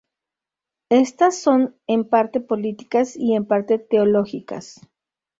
Estas son en parte políticas y en parte teológicas.